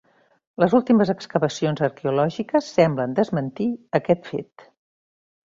Les últimes excavacions arqueològiques semblen desmentir aquest fet.